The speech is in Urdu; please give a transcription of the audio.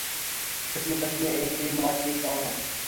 اس کشمکش میں ایک فریق نوازشریف صاحب ہیں